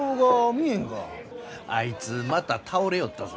あいつまた倒れよったぞ。